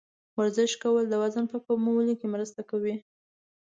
ورزش کول د وزن په کمولو کې مرسته کوي.